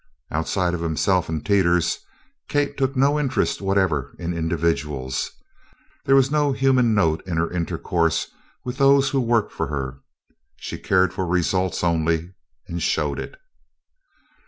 Outside of himself and Teeters, Kate took no interest whatever in individuals. There was no human note in her intercourse with those who worked for her. She cared for results only, and showed it.